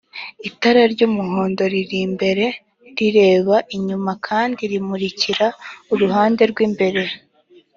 itara ry‘umuhondo riri imbere rireba inyuma kandi rimurikira uruhande rw’imbere